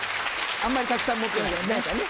あんまりたくさん持ってないからね。